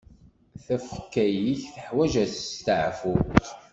Tafekka-ik teḥwaǧ asteɛfu.